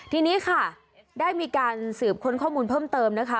ทีนี้ค่ะได้มีการสืบค้นข้อมูลเพิ่มเติมนะคะ